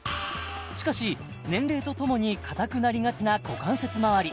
しかし年齢とともに硬くなりがちな股関節周り